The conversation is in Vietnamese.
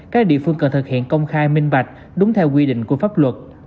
các địa phương cần thực hiện công khai minh bạch đúng theo quy định của pháp luật